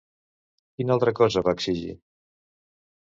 Quina altra cosa va exigir?